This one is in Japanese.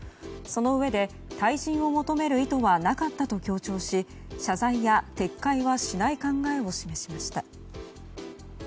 そのうえで、退陣を求める意図はなかったと強調し謝罪や撤回はしない考えを示しました。